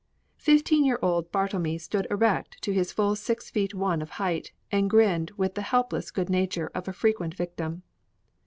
Fifteen year old Bartlemy stood erect to his full six feet one of height, and grinned with the helpless good nature of a frequent victim.